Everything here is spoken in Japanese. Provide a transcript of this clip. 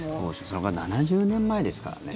それが７０年前ですからね。